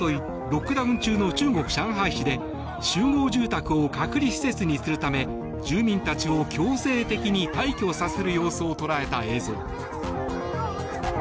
ロックダウン中の中国・上海市で集合住宅を隔離施設にするため住民たちを強制的に退去させる様子を捉えた映像。